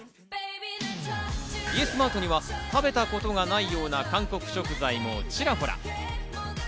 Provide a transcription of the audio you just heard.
Ｙｅｓｍａｒｔには食べたことがないような韓国食材もちらほら。